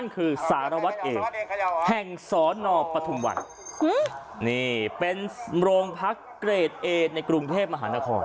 เกรดเอดในกรุงเทพมหานคร